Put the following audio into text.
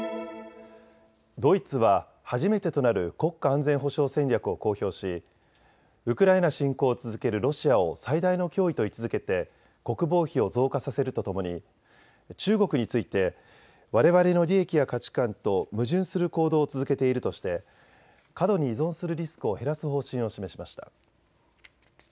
ドイツは初めてとなる国家安全保障戦略を公表しウクライナ侵攻を続けるロシアを最大の脅威と位置づけて国防費を増加させるとともに中国についてわれわれの利益や価値観と矛盾する行動を続けているとして過度に依存するリスクを減らす方針を示しました。